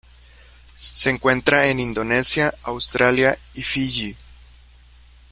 Se encuentra en Indonesia, Australia y Fiyi.